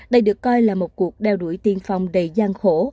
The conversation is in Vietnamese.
đây được coi là một cuộc đeo đuổi tiên phong đầy gian khổ